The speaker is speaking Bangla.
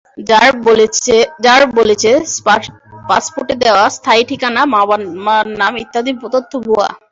র্যাব বলছে, পাসপোর্টে দেওয়া স্থায়ী ঠিকানা, মা-বাবার নাম ইত্যাদি তথ্য ভুয়া।